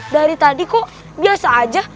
dari tadi kok biasa aja